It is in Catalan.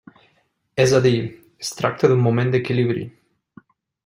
És a dir, es tracta d'un moment d'equilibri.